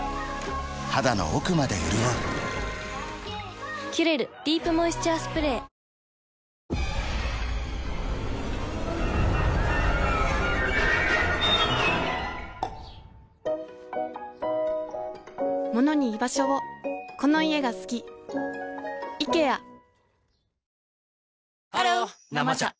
肌の奥まで潤う「キュレルディープモイスチャースプレー」ハロー「生茶」